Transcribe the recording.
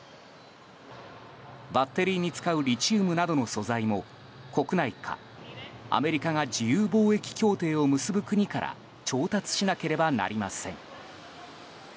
バッテリーに使うリチウムなどの素材も国内か、アメリカが自由貿易協定を結ぶ国から調達しなければなりません。